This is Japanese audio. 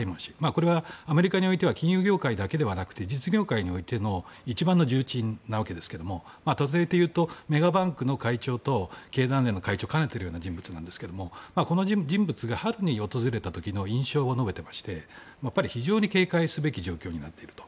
これは、アメリカにおいては金融業界だけではなくて実業界においての一番の重鎮なわけなんですけれどもメガバンクの会長と経団連の会長を兼ねている人ですがこの人物が春に訪れた時の印象を述べていまして非常に警戒すべき状況になっていると。